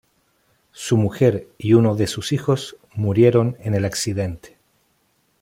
Su mujer y uno de sus hijos murieron en el accidente.